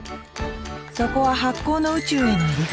そこは発酵の宇宙への入り口。